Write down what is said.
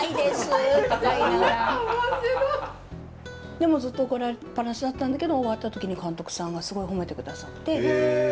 でもずっと怒られっぱなしだったんだけど終わった時に監督さんがすごい褒めて下さって。